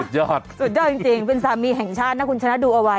สุดยอดสุดยอดจริงเป็นสามีแห่งชาตินะคุณชนะดูเอาไว้